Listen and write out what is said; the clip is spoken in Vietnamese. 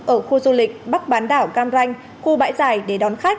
ở khu du lịch bắc bán đảo cam ranh khu bãi giải để đón khách